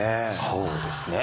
そうですね。